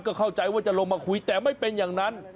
ก็เข้าใจว่าจะลงมาคุยแต่ไม่เป็นอย่างนั้น